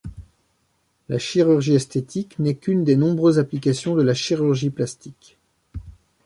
La chirurgie esthétique n'est qu'une des nombreuses applications de la chirurgie plastique.